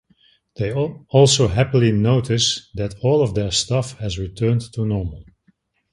They also happily notice that all of their stuff has returned to normal.